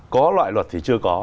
có loại luật thì chưa có